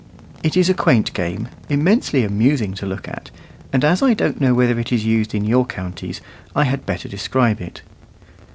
It is a quaint game, immensely amusing to look at; and as I don't know whether it is used in your counties, I had better describe it.